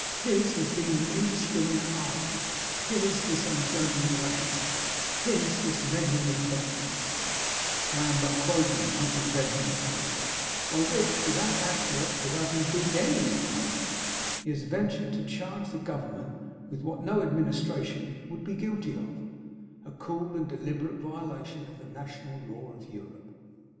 His has been this indiscriminate ardor, his this unjudging rashness, his this meddling impertinence (I am but quoting, not inventing, a phrase), by which, without accurate, without, indeed, any, information, he has ventured to charge the Government with what no administration would be guilty, of a cool and deliberate violation of the national law of Europe.